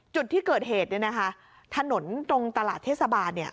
จุดที่เกิดเหตุเนี่ยนะคะถนนตรงตลาดเทศบาลเนี่ย